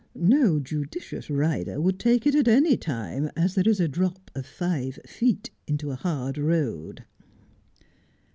No judicious rider would take it at any time, as there is a drop of five feet into a hard road.